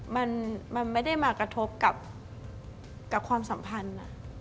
มันไม่ได้มากระทบกับความสัมพันธ์